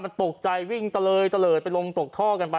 มันตกใจวิ่งเตลยเตลยไปลงตกท่อกันป่าน